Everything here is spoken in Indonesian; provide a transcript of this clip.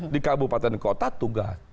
di kabupaten kota tugas